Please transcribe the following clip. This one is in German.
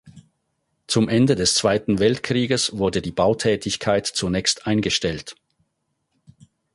Zum Ende des Zweiten Weltkrieges wurde die Bautätigkeit zunächst eingestellt.